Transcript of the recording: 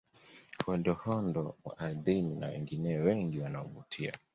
Hondohondo wa ardhini na wengineo wengi wanaovutia